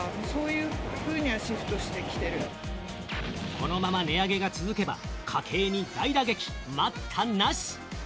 このまま値上げが続けば家計に大打撃、待ったなし。